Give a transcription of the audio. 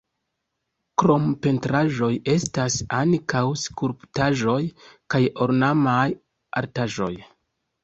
Krom pentraĵoj estas ankaŭ skulptaĵoj kaj ornamaj artaĵoj.